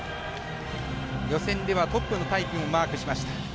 予選ではトップのタイムをマークしました。